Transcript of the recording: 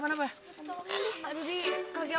hah gue gak nyangka ya ran